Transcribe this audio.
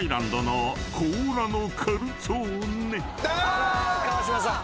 あら川島さん。